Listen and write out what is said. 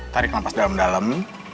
tarik lampas dalam dalam